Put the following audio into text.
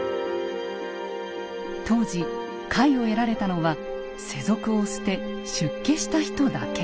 当時戒を得られたのは世俗を捨て出家した人だけ。